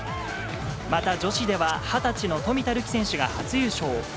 また女子では、２０歳の冨田るき選手が初優勝。